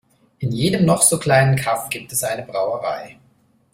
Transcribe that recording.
In jedem noch so kleinen Kaff gibt es eine Brauerei.